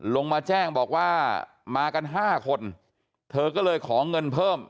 ลงมาแจ้งบอกว่ามากัน๕คนเธอก็เลยขอเงินเพิ่ม